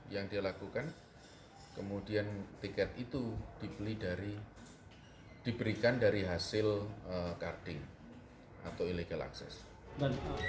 yang dilakukan kemudian tiket itu diberikan dari hasil karting atau illegal access